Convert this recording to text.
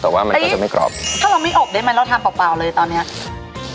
แต่ว่ามันก็จะไม่กรอบถ้าเราไม่อบได้ไหมเราทานเปล่าเปล่าเลยตอนเนี้ย